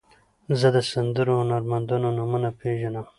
زه د سندرو د هنرمندانو نومونه پیژنم.